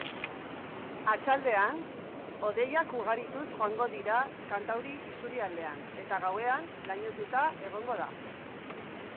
Arratsaldean hodeiak ugarituz joango dira kantauri isurialdean, eta gauean lainotuta egongo da.